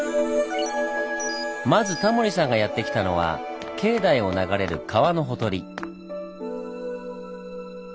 まずタモリさんがやって来たのは境内を流れる川のほとり。